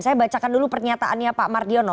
saya bacakan dulu pernyataannya pak mardiono